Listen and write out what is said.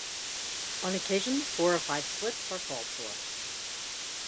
On occasion, four or five slips are called for.